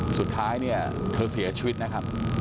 สุดท้ายเนี่ยเธอเสียชีวิตนะครับ